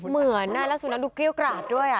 เหมือนแล้วสุนัขดูเกรี้ยวกราดด้วย